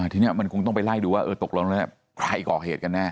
ทีนี้มันคงต้องไปไล่ดูว่าเออตกลงแล้วใครก่อเหตุกันแน่